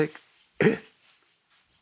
えっ！